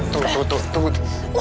tunggu tunggu tunggu